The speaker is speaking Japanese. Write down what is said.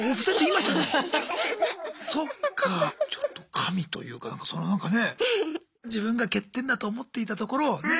神というかなんかそのなんかねえ自分が欠点だと思っていたところをね。